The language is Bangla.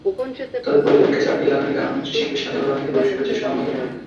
তবে প্রয়োজনকে ছাপিয়ে লালনের গান অনায়াসে শিল্পের সাজানো বাগানে প্রবেশ করেছে স্বমহিমায়।